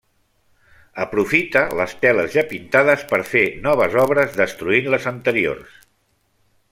Aprofita les teles ja pintades per fer noves obres destruint les anteriors.